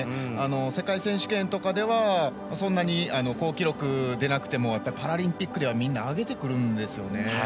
世界選手権とかではそんなに好記録出なくてもパラリンピックではみんな上げてくるんですよね。